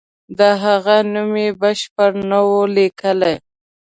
د هغه نوم یې بشپړ نه وو لیکلی.